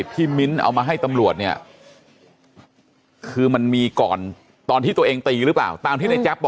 ขอโทษนะครับขอโทษนะครับขอโทษนะครับขอโทษนะครับขอโทษนะครับ